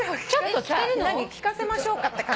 聴かせましょうかって感じ？